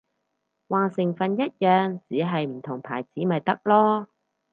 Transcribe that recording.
話成分一樣，只係唔同牌子咪得囉